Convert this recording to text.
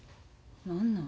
何なん？